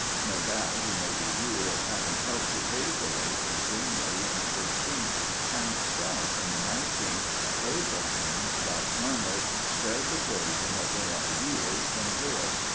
No doubt, he may be viewed as having helped to pave the way for Zwingli in the 16th, and Strauss in the 19th, both of whom, like Arnold, spread the poison of their ideas from Zurich.